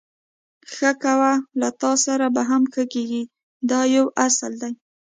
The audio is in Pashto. ښه کوه له تاسره به هم ښه کېږي دا یو اصل دی.